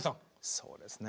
そうですね。